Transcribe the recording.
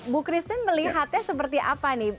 bu christine melihatnya seperti apa nih